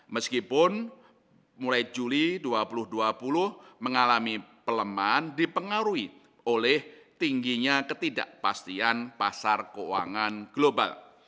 meskipun mulai juli dua ribu dua puluh mengalami pelemahan dipengaruhi oleh tingginya ketidakpastian pasar keuangan global